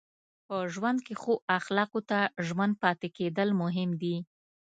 په ژوند کې ښو اخلاقو ته ژمن پاتې کېدل مهم دي.